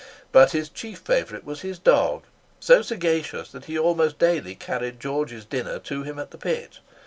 But his chief favourite was his dog—so sagacious that he almost daily carried George's dinner to him at the pit.